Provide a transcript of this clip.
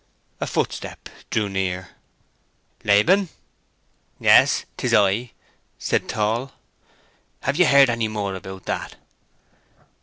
A footstep drew near. "Laban?" "Yes, 'tis I," said Tall. "Have ye heard any more about that?"